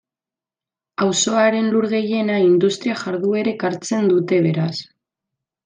Auzoaren lur gehiena industria jarduerek hartzen dute beraz.